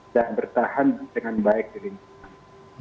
dan bertahan dengan baik di lingkungan